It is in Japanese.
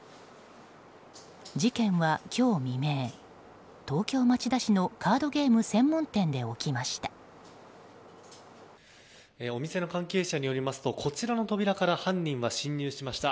事件は今日未明東京・町田市のカードゲーム専門店で起きました。